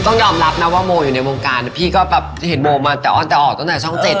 ต้องยอมรับนะว่าโมอยู่ในวงการพี่ก็แบบเห็นโมมาแต่อ้อนแต่ออกตั้งแต่ช่อง๗